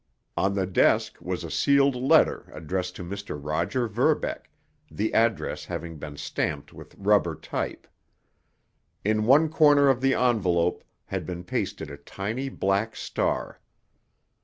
On the desk was a sealed letter addressed to Mr. Roger Verbeck, the address having been stamped with rubber type. In one corner of the envelope had been pasted a tiny black star.